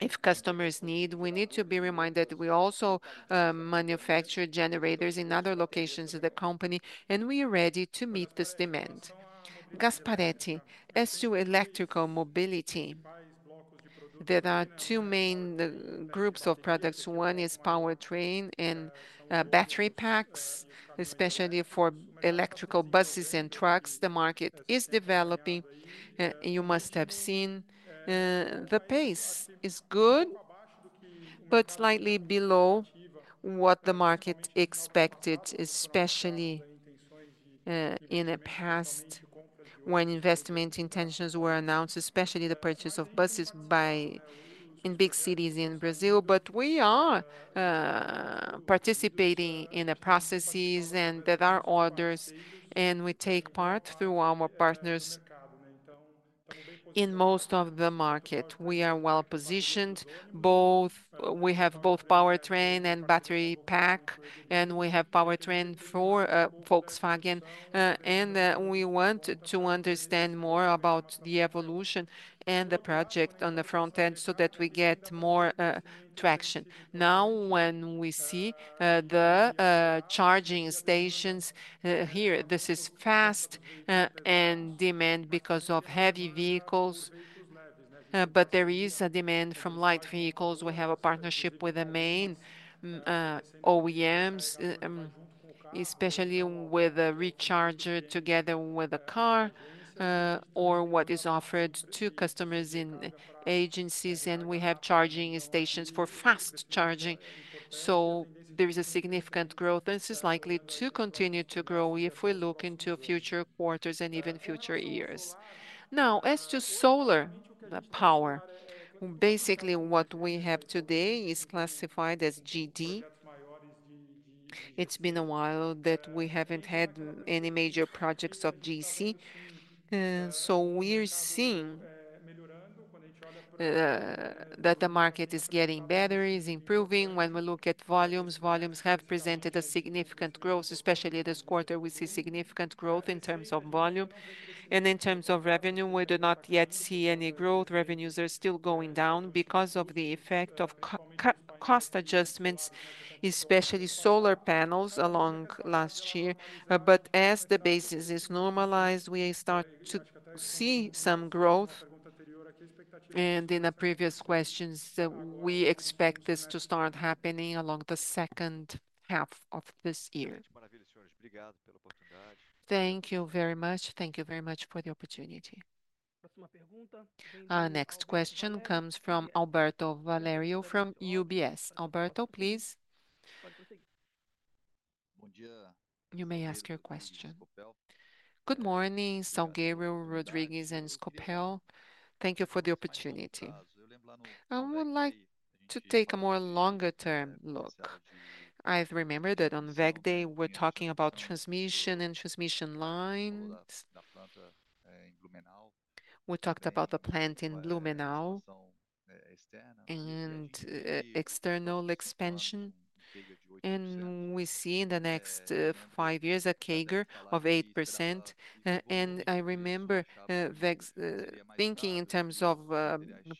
B: if customers need, we need to be reminded that we also manufacture generators in other locations of the company, and we are ready to meet this demand.
C: Gasparete, as to electrical mobility, there are two main groups of products. One is powertrain and battery packs, especially for electrical buses and trucks. The market is developing, you must have seen. The pace is good, but slightly below what the market expected, especially in the past when investment intentions were announced, especially the purchase of buses by, in big cities in Brazil. But we are participating in the processes, and there are orders, and we take part through our partners in most of the market. We are well-positioned. We have both powertrain and battery pack, and we have powertrain for Volkswagen. And we want to understand more about the evolution and the project on the front end, so that we get more traction. Now, when we see the charging stations here, this is fast and demand because of heavy vehicles. But there is a demand from light vehicles. We have a partnership with the main OEMs, especially with a recharger together with a car, or what is offered to customers in agencies, and we have charging stations for fast charging. So there is a significant growth. This is likely to continue to grow if we look into future quarters and even future years. Now, as to solar power, basically, what we have today is classified as GD. It's been a while that we haven't had any major projects of GC, so we're seeing that the market is getting better, is improving. When we look at volumes, volumes have presented a significant growth, especially this quarter, we see significant growth in terms of volume. And in terms of revenue, we do not yet see any growth. Revenues are still going down because of the effect of cost adjustments, especially solar panels, along last year. But as the basis is normalized, we start to see some growth. And in the previous questions, we expect this to start happening along the second half of this year.
K: Thank you very much. Thank you very much for the opportunity.
A: Next question comes from Alberto Valerio from UBS. Alberto, please. You may ask your question.
L: Good morning, Salgueiro, Rodrigues, and Scopel. Thank you for the opportunity. I would like to take a more longer-term look. I've remembered that on WEG Day, we're talking about transmission and transmission lines. We talked about the plant in Blumenau and external expansion, and we see in the next five years, a CAGR of 8%. I remember WEG's thinking in terms of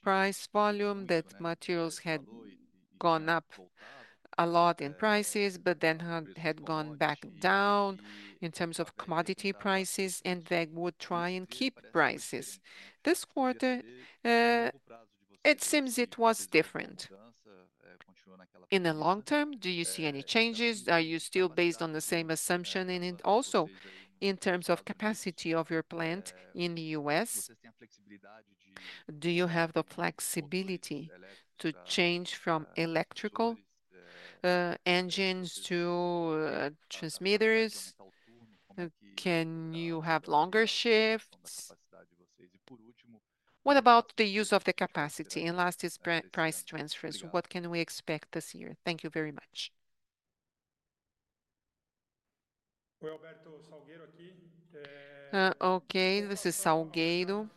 L: price, volume, that materials had gone up a lot in prices, but then had gone back down in terms of commodity prices, and WEG would try and keep prices. This quarter, it seems it was different. In the long term, do you see any changes? Are you still based on the same assumption? And then, also, in terms of capacity of your plant in the U.S., do you have the flexibility to change from electrical engines to transformers? Can you have longer shifts? What about the use of the capacity, and last is price transfers. What can we expect this year? Thank you very much.
C: Okay, this is Salgueiro.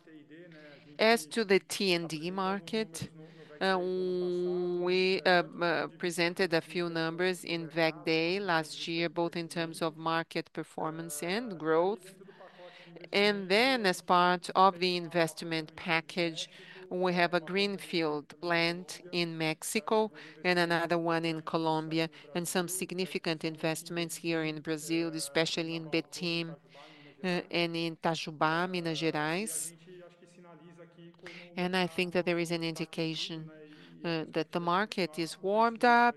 C: As to the T&D market, we presented a few numbers in WEG Day last year, both in terms of market performance and growth. And then, as part of the investment package, we have a greenfield plant in Mexico and another one in Colombia, and some significant investments here in Brazil, especially in Betim, and in Itajubá, Minas Gerais. And I think that there is an indication that the market is warmed up,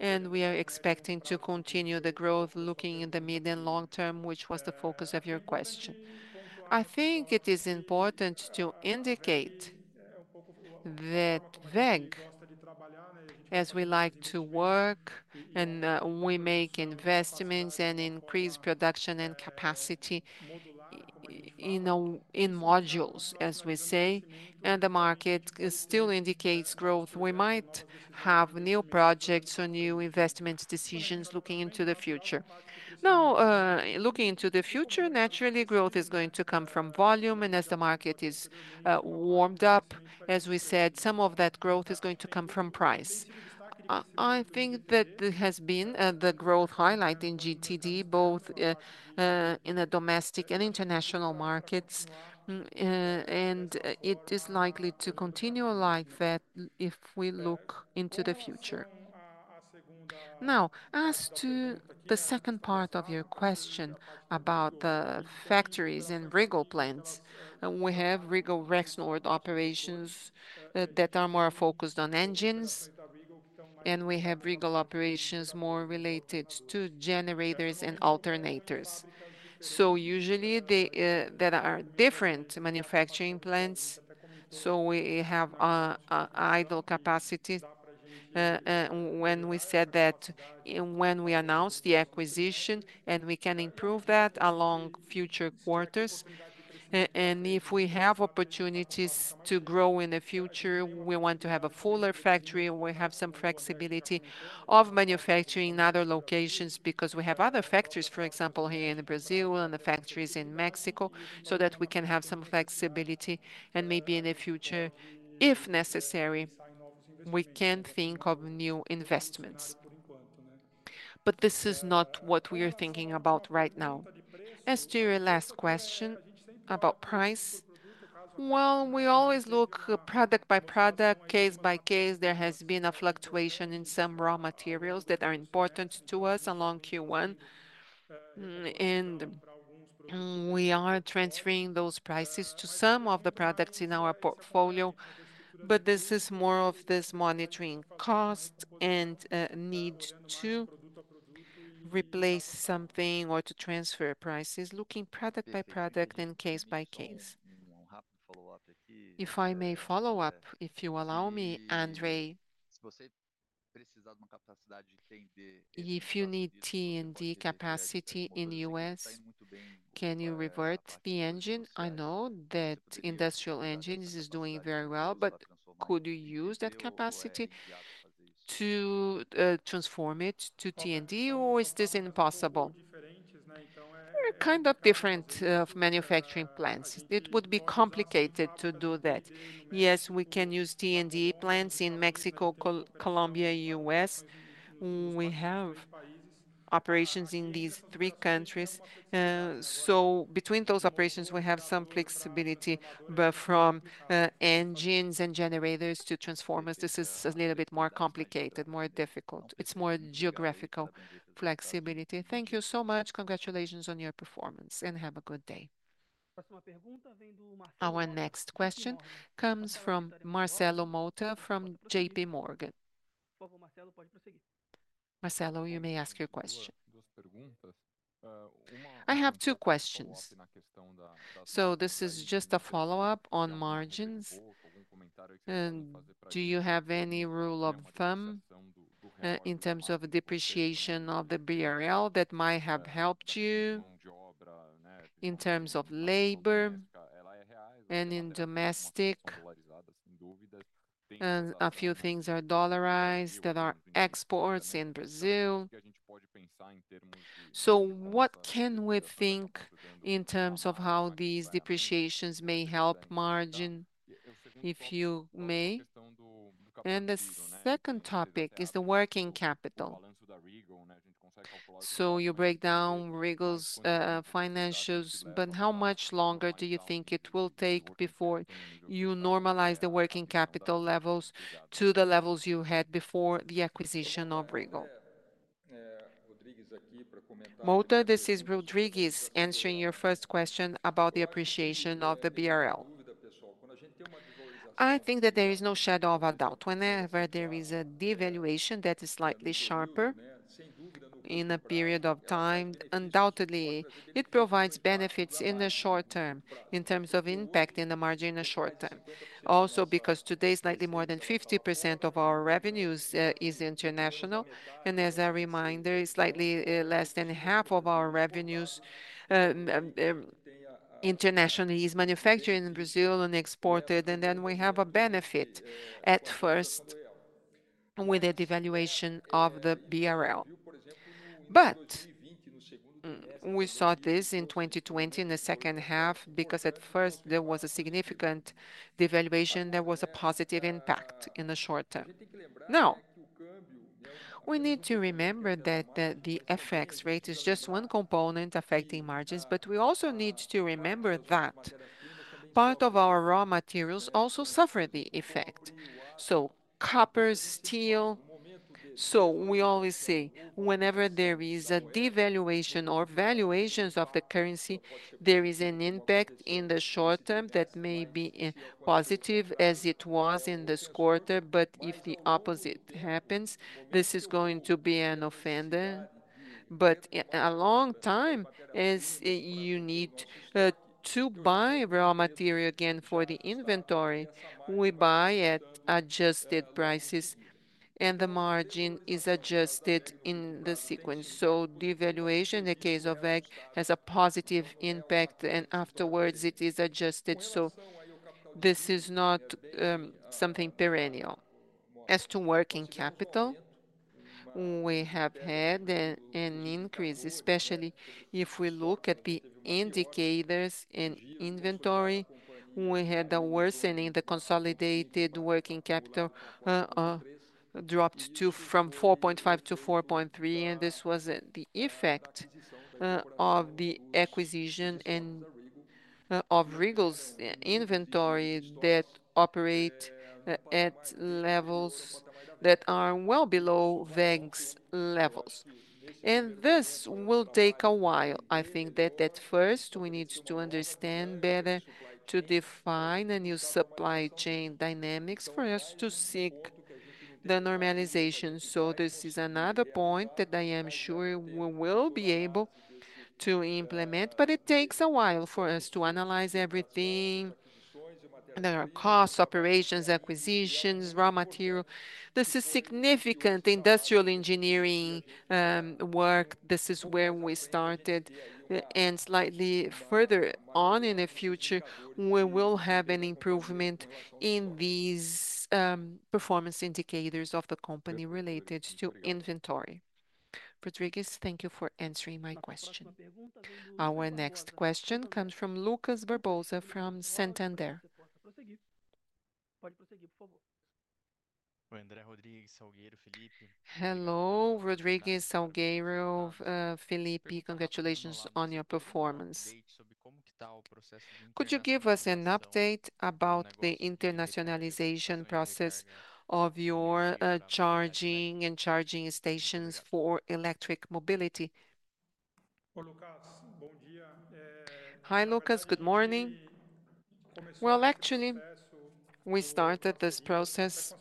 C: and we are expecting to continue the growth, looking in the mid and long term, which was the focus of your question. I think it is important to indicate that WEG as we like to work, and we make investments and increase production and capacity in modules, as we say, and the market still indicates growth. We might have new projects or new investment decisions looking into the future. Now, looking into the future, naturally, growth is going to come from volume, and as the market is warmed up, as we said, some of that growth is going to come from price. I think that there has been the growth highlight in GTD, both in the domestic and international markets, and it is likely to continue like that if we look into the future. Now, as to the second part of your question about the factories and WEG plants, we have WEG Regal Rexnord operations that are more focused on engines, and we have WEG operations more related to generators and alternators. So usually, they there are different manufacturing plants, so we have idle capacity. When we said that, when we announced the acquisition, and we can improve that along future quarters. And if we have opportunities to grow in the future, we want to have a fuller factory, and we have some flexibility of manufacturing in other locations because we have other factories, for example, here in Brazil and the factories in Mexico, so that we can have some flexibility. And maybe in the future, if necessary, we can think of new investments. But this is not what we are thinking about right now. As to your last question about price, well, we always look product by product, case by case. There has been a fluctuation in some raw materials that are important to us along Q1, and we are transferring those prices to some of the products in our portfolio, but this is more of this monitoring cost and need to replace something or to transfer prices, looking product by product and case by case.
L: If I may follow up, if you allow me, André. If you need T&D capacity in the U.S., can you revert the engine? I know that industrial engines is doing very well, but could you use that capacity to, transform it to T&D, or is this impossible?
B: They're kind of different manufacturing plants. It would be complicated to do that. Yes, we can use T&D plants in Mexico, Colombia, U.S. We have operations in these three countries, so between those operations we have some flexibility. But from engines and generators to transformers, this is a little bit more complicated, more difficult. It's more geographical flexibility.
L: Thank you so much. Congratulations on your performance, and have a good day.
A: Our next question comes from Marcelo Motta, from JPMorgan. Marcelo, you may ask your question.
M: I have two questions. So this is just a follow-up on margins. Do you have any rule of thumb, in terms of depreciation of the BRL that might have helped you in terms of labor and in domestic? A few things are dollarized, there are exports in Brazil. So what can we think in terms of how these depreciations may help margin, if you may? And the second topic is the working capital. So you break down Regal's financials, but how much longer do you think it will take before you normalize the working capital levels to the levels you had before the acquisition of Regal?
B: Motta, this is Rodrigues answering your first question about the appreciation of the BRL. I think that there is no shadow of a doubt. Whenever there is a devaluation that is slightly sharper in a period of time, undoubtedly, it provides benefits in the short term, in terms of impact in the margin in the short term. Also, because today, slightly more than 50% of our revenues is international, and as a reminder, slightly less than half of our revenues internationally is manufactured in Brazil and exported, and then we have a benefit at first with the devaluation of the BRL. But we saw this in 2020, in the second half, because at first there was a significant devaluation, there was a positive impact in the short term. Now, we need to remember that the, the FX rate is just one component affecting margins, but we also need to remember that part of our raw materials also suffer the effect, so copper, steel. So we always say, whenever there is a devaluation or revaluation of the currency, there is an impact in the short term that may be positive as it was in this quarter. But if the opposite happens, this is going to be an offender. But in a long time is, you need to buy raw material again for the inventory. We buy at adjusted prices and the margin is adjusted in the sequence. So devaluation, in the case of WEG, has a positive impact, and afterwards it is adjusted. So this is not something perennial. As to working capital, we have had an increase, especially if we look at the indicators in inventory. We had a worsening. The consolidated working capital dropped from 4.5 to 4.3, and this was the effect of the acquisition and of Regal's inventory that operate at levels that are well below WEG's levels. This will take a while. I think that at first, we need to understand better to define a new supply chain dynamics for us to seek the normalization. This is another point that I am sure we will be able to implement, but it takes a while for us to analyze everything. And there are costs, operations, acquisitions, raw material. This is significant industrial engineering work. This is where we started. And slightly further on in the future, we will have an improvement in these performance indicators of the company related to inventory.
M: Rodrigues, thank you for answering my question.
A: Our next question comes from Lucas Barbosa, from Santander.
N: Hello, André Salgueiro, Felipe. Congratulations on your performance. Could you give us an update about the internationalization process of your charging and charging stations for electric mobility?
C: Hi, Lucas. Good morning. Well, actually, we started this process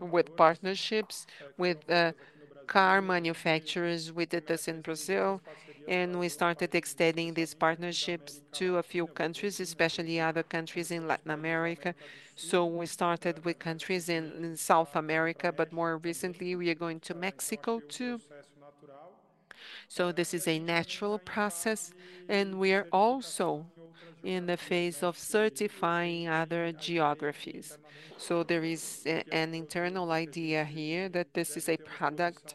C: with partnerships with car manufacturers. We did this in Brazil, and we started extending these partnerships to a few countries, especially other countries in Latin America. So we started with countries in South America, but more recently, we are going to Mexico, too. So this is a natural process, and we are also in the phase of certifying other geographies. So there is an internal idea here that this is a product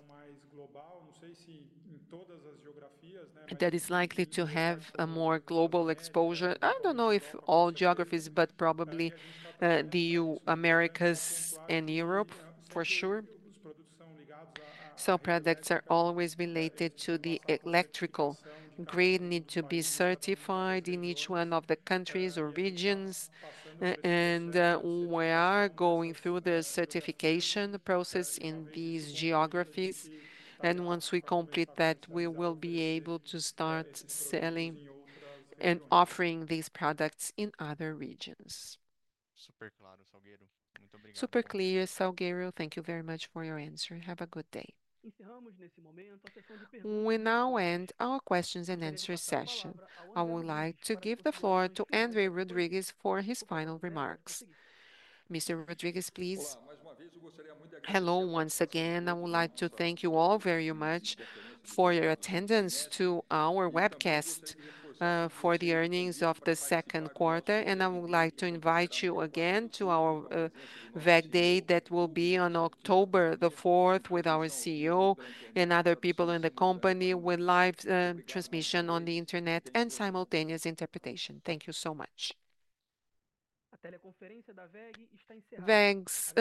C: that is likely to have a more global exposure. I don't know if all geographies, but probably the Americas and Europe, for sure. So products are always related to the electrical grid, need to be certified in each one of the countries or regions. We are going through the certification process in these geographies, and once we complete that, we will be able to start selling and offering these products in other regions.
N: Super clear, Salgueiro. Thank you very much for your answer, and have a good day.
A: We now end our questions and answer session. I would like to give the floor to André Rodrigues for his final remarks. Mr. Rodrigues, please.
B: Hello once again. I would like to thank you all very much for your attendance to our webcast for the earnings of the second quarter, and I would like to invite you again to our WEG Day that will be on October the 4th, with our CEO and other people in the company, with live transmission on the internet and simultaneous interpretation. Thank you so much.
A: WEG's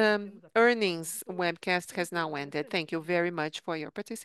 A: earnings webcast has now ended. Thank you very much for your participation.